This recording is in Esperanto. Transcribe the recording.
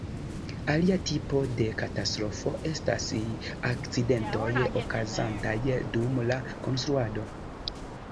Alia tipo de katastrofo estas akcidentoj okazantaj dum la konstruado.